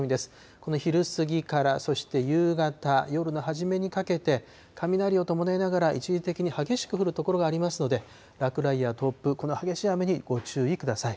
この昼過ぎから、そして夕方、夜の初めにかけて、雷を伴いながら、一時的に激しく降る所がありますので、落雷や突風、この激しい雨にご注意ください。